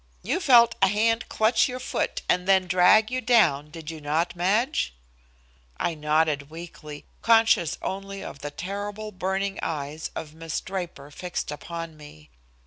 "You felt a hand clutch your foot and then drag you down, did you not, Madge?" I nodded weakly, conscious only of the terrible burning eyes of Miss Draper fixed upon me.